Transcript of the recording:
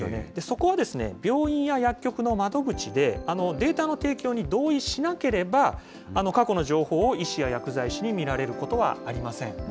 そこは、病院や薬局の窓口でデータの提供に同意しなければ、過去の情報を医師や薬剤師に見られることはありません。